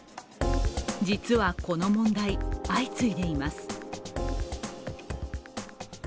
実はこの問題、相次いでいます。